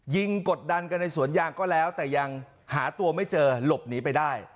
กดดันกันในสวนยางก็แล้วแต่ยังหาตัวไม่เจอหลบหนีไปได้